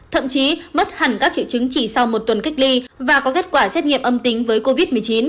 thậm chí mất hẳn các triệu chứng chỉ sau một tuần cách ly và có kết quả xét nghiệm âm tính với covid một mươi chín